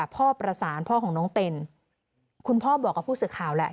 พ่อของน้องเต็นคุณพ่อบอกกับผู้ศึกข่าวแหละ